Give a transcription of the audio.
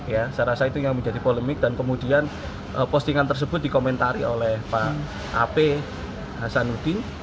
ya saya rasa itu yang menjadi polemik dan kemudian postingan tersebut dikomentari oleh pak ap hasanuddin